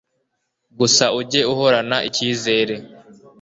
gusa ujye uhorana ikizere